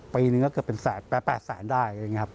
ปีนึงก็เกือบเป็น๘แสนได้อะไรอย่างนี้ครับ